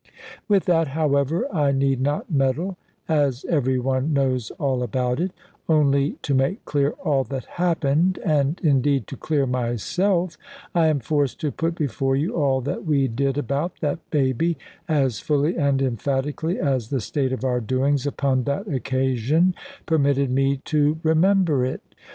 With that, however, I need not meddle, as every one knows all about it; only, to make clear all that happened, and, indeed, to clear myself, I am forced to put before you all that we did about that baby, as fully and emphatically as the state of our doings upon that occasion permitted me to remember it.